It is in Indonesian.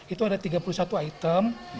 itu ada tiga puluh satu item